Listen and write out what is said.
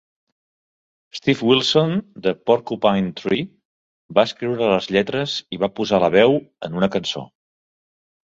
Steven Wilson de Porcupine Tree va escriure les lletres i va posar la veu en una cançó.